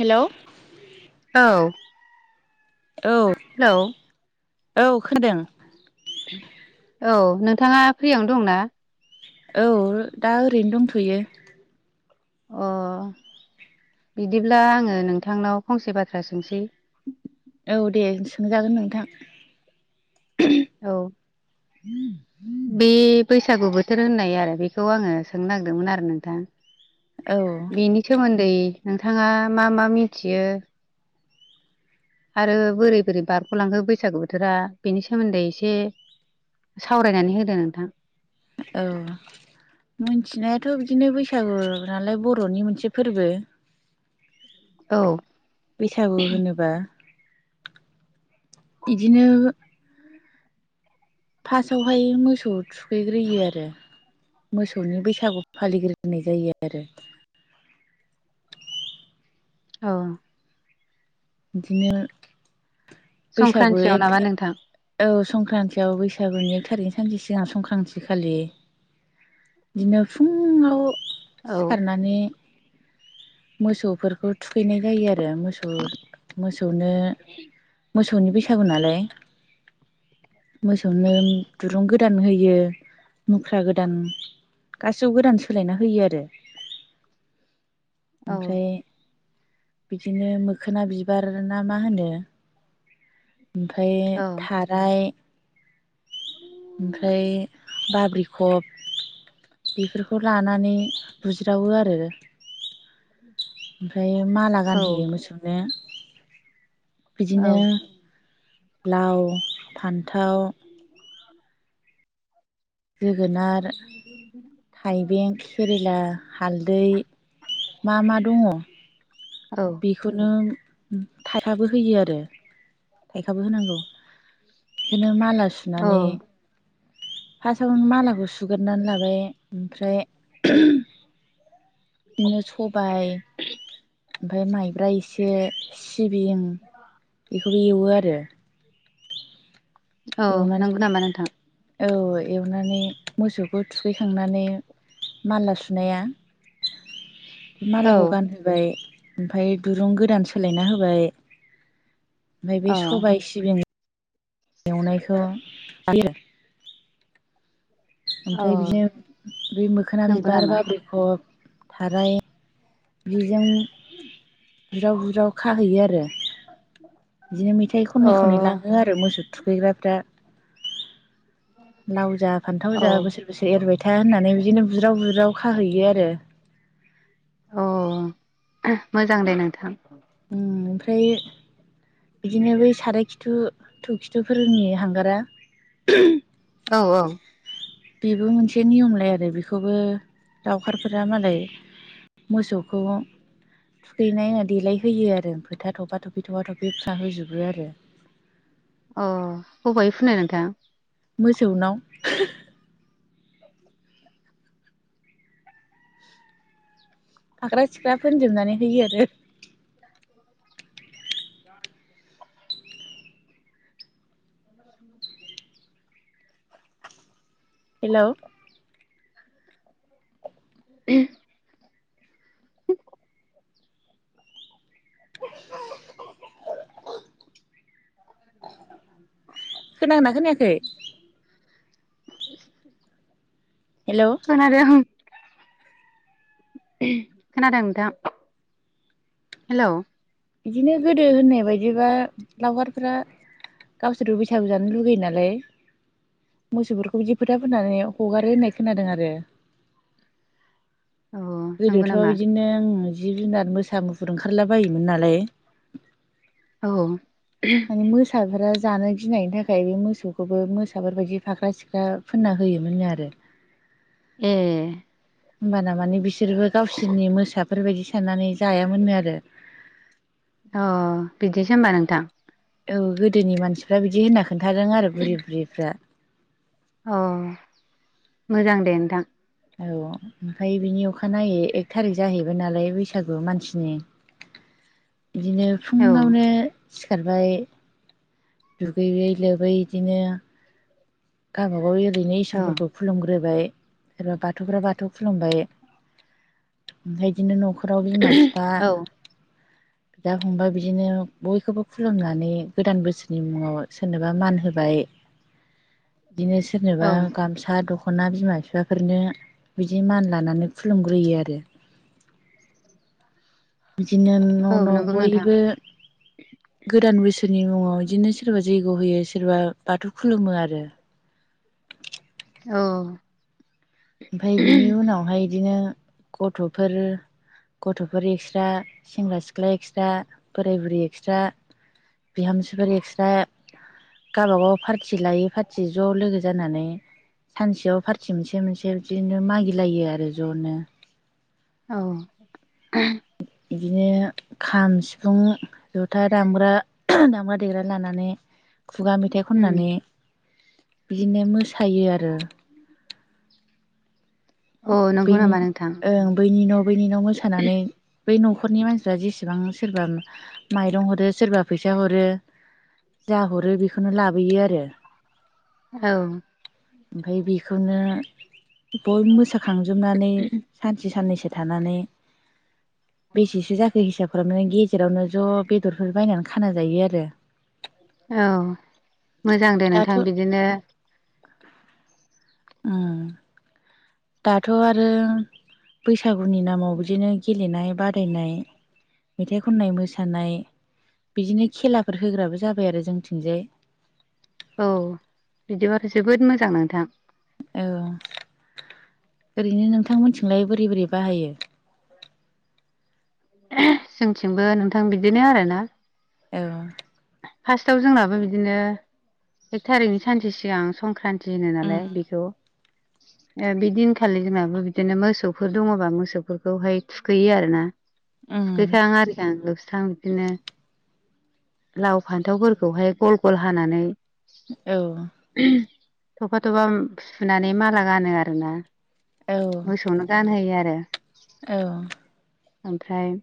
हेल'। औ औ हेल'। औ खोनादों। औ नोंथाङा फ्रियावनो दंना? औ दा ओरैनो दंथ'यो। अ बिदिब्ला आंङो नोंथांनाव फंसे बाथ्रा सोंसै। औ दे सोंजागोन नोंथां। औ। बे बैसागु बोथोर होननाय आरो बेखौ आंङो सोंनो नागिरदोंमोन आरो नोंथां। औ बेनि सोमोन्दै नोंथाङा मा मा मिथियो? आरो बोरै बोरै बारग'लांखो बैसागु बोथोरा बेनि सोमोन्दै एसे सावरायनानै होदो नोंथां। औ मिथिनायाथ' बिदिनो बैसागु नालाय बर'नि मोनसे फोरबो। औ। बैसागु होनोबा बिदिनो फास्टआवहाय मोसौ थुखैग्रोयो आरो। मोसौनि बैसागु फालिग्रोनाय जायो आरो। औ। बिदिनो बैसागु संक्रान्तियाव नामा एखे नोंथां औ संक्रान्तिआव बैसागुनि एक थारिखनि सानसे सिगां संक्रान्ति खालि बिदिनो फुङाव औ सिखारनानै मोसौफोरखौ थुखैनाय जायो आरो मोसौ मोसौनो [inaudible] मोसौनि बैसागु नालाय। मोसौनो दुरुं गोदान होयो मुख्रा गोदान। गासिबो गोदान सोलायना होयो आरो। औ ओमफ्राय बिदिनो मोखोना बिबार ना मा होनो? ओमफ्राय औ थाराय ओमफ्राय बाब्रि फब बेफोरखौ लानानै बुज्रावो आरो। [inaudible] ओमफ्राय माला औ गानह़यो मोसौनो औ बिदिनो लाव फान्थाव जोगोनार थाइबें केेरेला हालदै मा मा दङ औ। बेखौनो थाइखाबो होयो आरो थाइखाबो होनांगौ। बिदिनो माला औ सुनानै फासआवनो मालाखौ सुगोरनानै लाबाय ओमफ्राय बिदिनो सबाय ओमफ्राय माइब्रा एसे सिबिं बेखौबो एवो आरो। औ नंगौ एवनानै नामा नोंथां औ एवनानै मोसौखौ थुखैखांनानै माला सुनाया [inaudible] मालाखौ गानहोबाय ओमफ्राय दुरुं गोदान सोलायना होबाय। ओमफाय अ बे सबाय सिबिं एवनायखौ जायो आरो। औ ओमफ्राय बिदिनो बै मोखोना नंगौ बिबार नामा बाग्रिखब थाराय बेजों बुज्राव बुज्राव खाहैयो आरो। बिदिनो मेथाइ अ खननै खनै लाङो आरो मोसौ थुखैग्राफ्रा। लाव जा फान्थाव औ जा बोसोर बोसोर एरबाय था होननानै बिदिनो बुज्राव बुज्राव खाहैयो आरो। अ मोजां दे नोंथां। उम ओमफ्राय बिदिनो बै साराय खिथु थौ खिथुफोरनि हांगारा औ औ। बेबो मोनसे नियमलाय आरो बेखौबो लउखारफोरा मालाय मोसौखौ थुखैनाय देलाय होयो आरो फोथा थफा थफि थफा थफि थुना होजोबो आरो। अ बबेहाय फुनो नोंथां? मोसौनाव फाग्रा सिख्रा फोनजोबनानै होयो आरो। [inaudible] [unintelligible] हेलौ! [inaudible] [inaudible] खोनादोंना खोनायाखै? [unintelligible] [inaudible] हेलौ! खोनादों। खोनादों नोंथां। हेल'! बिदिनो गोदो होननाय बायदिबा लावखारफ्रा गावसोरबो बैसागु जानो लुगैयो नालाय मोसौफोरखौ बिदि फोथा फोनानै हगारो होननाय खोनादों आरो। औ नंगौ गोदोथ' नामा बिदिनो ओं जिब जुनार मोसा मुफुर ओंखारला बायोमोन नालाय। औ औ। माने मोसाफोरा जानो गिनायनि थाखाय बे मोसौखौबो मोसाफोरबायदि फाख्रा सिख्रा फोनना होयोमोननो आरो। ए। होमबाना माने बिसोरबो गावसोरनि मोसाफोरबायदि साननानै जायामोननो आरो। अ बिदिसै होनोमबा नोंथां? औ गोदोनि मानसिफ्रा बिदि होनना खोन्थादों आरो बुरि बुरिफ्रा। अ मोजां दे नोंथां। औ ओमफ्राय बिनि अखानायै एक थारिक जाहैबाय नालाय बैसागु मानसिनि। बिदिनो औ फुङावनो सिखारबाय दुगैयै लोबै बिदिनो गावबा गाव ओरैनो औ इसोरफोरखौ खुलुमग्रोबाय सोरबा बाथौफ्रा बाथौ खुलुमबाय। ओमफ्राय इदिनो न'खराव बिमा बिफा औ बिदा फंबाय बिदिनो बयखौबो खुलुमनानै गोदान बोसोर नि मुङाव सोरनोबा मान होबाय बिदिनो औ सोरनोबा गामसा द खना बिमा बिफाफोरनो बिदि मान लानानै खुलुमग्रोयो आरो। बिदिनो न' औ न' नंगौ नोंथां बयबो गोदान बोसोरनि मुङाव इदिनो सोरबा जैग' होयो सोरबा बाथौ खुलुमो आरो। औ ओमफाय बिनि उनावहाय इदिनो गथ'फोर गथ'फोर एक्स्ट्रा, सेंग्रा सिख्ला एक्स्ट्रा, बोराय बुरै एक्स्ट्रा बिहामजोफोर एक्स्ट्रा गावबागाव पार्थि लायै पार्थि ज' लोगो जानानै सानसेयाव फारथि मोनसे मोनसे बिदिनो मागिलायो आरो ज'नो। औ [unintelligible] बिदिनो खाम सिफुं जथा दामग्रा दामग्रा देग्रा लानानै खुगा मेथाइ उम खननानै बिदिनो मोसायो आरो। अ नंगौ बेनि नामा नोंथां ओ बैनि न' बैनि न' मोसानानै बै न'खरनि मानसिफ्रा जेसेबां सोरबा माइरं हरो सोरबा फैसा हरो जाहरो बेखोनो लाबोयो आरो। औ ओमफाय बेखौनो बयबो मोसाखांजोबनानै सानसे साननैसो थानानै बेसेसो जाखो हिसाब खालामनानै गेजेरावनो ज' बेदरफोर बायनानै खाना जायो आरो। औ मोजां दे दाथ' नोंथां बिदिनो ओम दाथ' आरो बैसागुनि नामाव बिदिनो गेलेनाय बादायनाय मेथाइ खननाय मोसानाय बिदिनो खेलाफोर होग्राबो जाबाय आरो जोंनिथिंजाय। औ बिदिबाथ' जोबोद मोजां नोंथां। औ ओरैनो नोंथां मोनथिंलाय बोरै बोरै बाहायो? जोंथिंबो नोंथां बिदिनो आरोना। औ फार्स्टआव जोंनाबो बिदिनो एक थारिखनि सानसे सिगां संक्रान टि होनो उम नालाय बेखौ। ओ बे दिनखालि जोंनाबो बिदिनो मोसौफोर दङबा मोसौफोरखौहाय थुखैयो आरो ना। उम थुखैखां आरिखां लोबस्रां बिदिनो लाव फान्थावफोरखौहाय गल गल हानानै औ थफा थफा फुनानै माला गानो आरो ना औ मोसौनो गानहोयो आरो। औ ओमफ्राय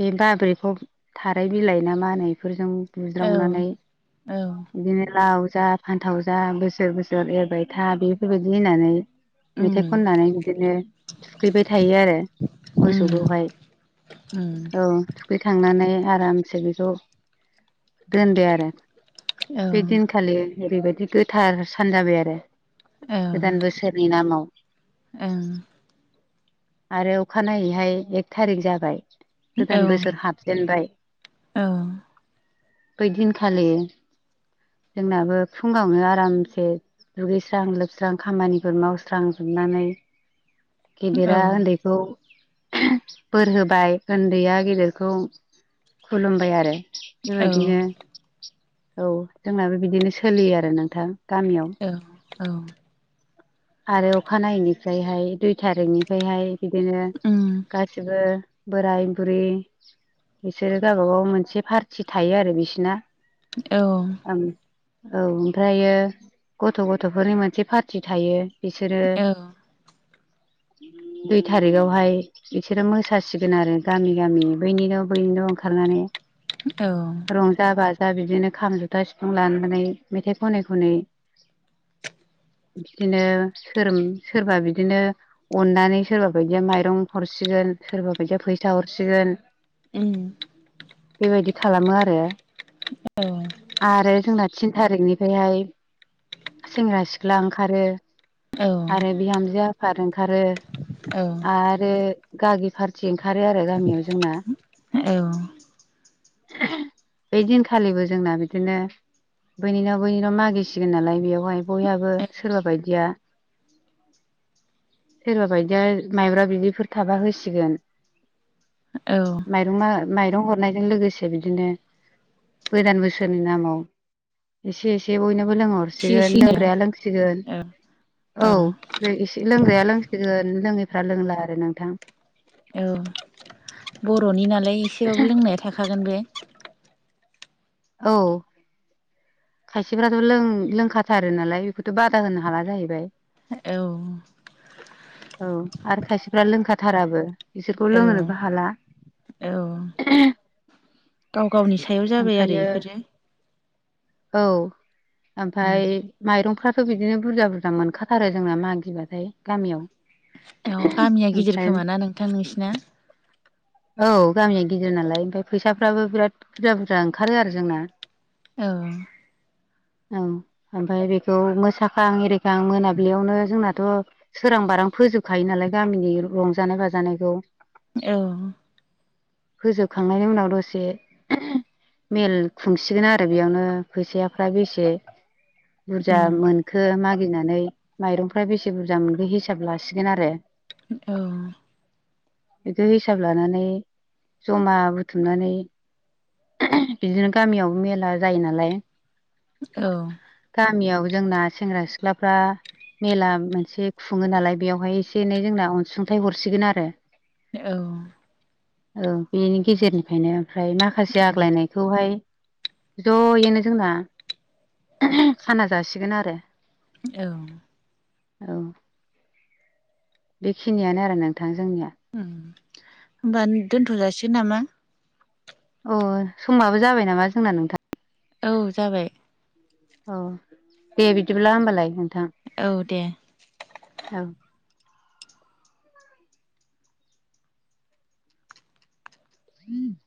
बे बाब्रैखब थाराय बिलाइ ना मा होनो इफोरजों बुज्रावनानै औ औ इदिनो लाव जा फान्थाव जा बोसोर बोसोर एरबाय था बेफोरबायदि होननानै उम मेथाइ खननानै बिदिनो थुखैबाय थायो आरो उम मोसौखौहाय। उम औ थुखैखांनानै आरामसे बेखौ दोनदो आरो। औ बे दिनखालि ओरैबायदि गोथार सान जाबाय आरो औ गोदान बोसोर नि नामाव। ओं आरो अखानायैहाय एक थारिख जाबाय। औ गोदान बोसोर हाबजेनबाय। बै दिनखालि जोंनाबो फुङावनो आरामसे दुगैस्रां लोबस्रां खामानिफोर मावस्रांजोबनानै गेदिरा औ उन्दैखौ बोर होबाय उन्दैया गेदेरखौ खुलुमबाय आरो। औ बेबायदिनो औ जोंनाबो बिदिनो सोलियो आरो नोंथां गामियाव। औ आरो अखा नायनिफ्रायहाय दुइ थारिखनिफ्रायहाय बिदिनो उम गासिबो बोराय बुरि बिसोरो गावबा गाव मोनसे पार्टि थायो आरो बिसिना। औ औ ओमफ्रायो गथ' गथ'फोरनि मोनसे पार्टि थायो। बिसोरो दुइ थारिखआवहाय बिसोरो मोसासिगोन आरो गामि गामि बैनिन' बैनिन' ओंखारनानै औ रंजा बाजा बिदिनो खाम जुथा सिफुं लानानै मेथाइ खननाय खनै बिदिनो सोर सोरबा बिदिनो अननानै सोरबा बायदिया माइरं हरसिगोन सोरबा बायदिया फैसा हरसिगोन उम बेबायदि खालामो आरो। औ आरो जोंना थिन थारिखनिफ्रायहाय सेंग्रा सिख्ला ओंखारो। औ आरो बिहामजो आफाद ओंखारो। औ आरो गागि फार्थि ओंखारो आरो गामियाव जोंना। औ बे दिनखालिबो जोंना बिदिनो बैनि न' बैनि न' मागिसिगोन नालाय बेयावहाय बयहाबो सोरबा बायदिया सोरबा बायदिया माइब्रा बिदैफोर थाबा होसिगोन औ माइरं माइरं हरनायजों लोगोसे बिदिनो गोदान बोसोरनि नामाव एसे एसे बयनोबो एसे लोंहरसिगोन लोंग्राया लोंसिगोन औ औ एसे लोंग्राया लोंसिगोन लोङैफ्रा लोंला आरो नोंथां। औ बर'नि नालाय एसेबाबो लोंनाया थाखागोन बे औ खायसेफ्राथ' लों लोंखाथार नालाय बेखौथ' बादा होनो हाला जाहैबाय। औ औ आरो खायसेफ्रा लोंखाथाराबो बिसोरखौ औ लोंहोनोबो हाला। औ गाव गावनि सायाव जाबाय आरो ओमफ्रायो इफोरो। औ उम ओमफाय माइरंफ्राथ' बिदिनो बुरजा बुरजा मोनखाथारो जोंना मागिबाथाय गामियाव औ गामिया गिदिर ओमफ्राय खोमा ना नोंथां नोंसिना? औ गामिया गिदिर नालाय ओमफ्राय फैसाफ्राबो बिराद बुरजा बुरजा ओंखारो आरो जोंना। ओं औ ओमफ्राय बेखौ मोसाखां एरिखां मोनाब्लियावनो जोंनाथ' सोरां बारां फोजोबखायो नालाय गामिनि रंजानाय बाजानायखौ औ फोजोबखांनायनि उनाव दसे मेल खुंसिगोन आरो बेयावनो फैसायाफ्रा बेसे बुरजा उम मोनखो मागिनानै माइरंफ्रा बेसे बुरजा मोनखो हिसाब लासिगोन आरो औ बेदि हिसाब लानानै जमा बुथुमनानै बिदिनो गामियाव मेला जायो नालाय औ गामियाव जोंना सेंग्रा- सिख्लाफ्रा मेला मोनसे खुङो नालाय बेयावहाय एसे एनै जोंना अनसुंथाइ हरसिगोन आरो औ औ बेनि गेजेरनिफ्रायनो ओमफ्राय माखा से उम आग्लायनायखौहाय ज'यैनो जोंना खाना जासिगोन आरो। औ औ बेखिनियानो आरो नोंथां जोंनिया उम होनबा दोनथ' जाासिगोन नामा? अ समाबो जाबाय नामा जोंना नोंथां? औ जाबाय औ दे बिदिब्ला होमब्लालाय नोंथां औ दे औ [inaudible]